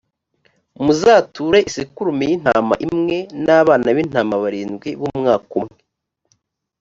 muzature isekurume y’intama imwe, n’abana b’intama barindwi b’umwaka umwe.